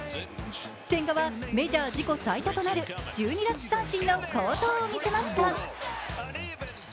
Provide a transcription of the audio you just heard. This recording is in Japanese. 千賀はメジャー自己最多となる１２奪三振の好投を見せました。